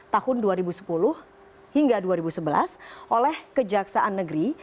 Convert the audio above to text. tahun dua ribu sepuluh hingga dua ribu sebelas oleh kejaksaan negeri